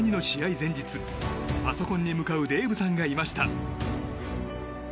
前日パソコンに向かうデイブさんがいました。